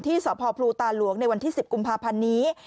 สพพลูตาหลวงในวันที่๑๐กุมภาพันธ์นี้